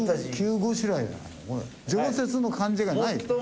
常設の感じがないよ。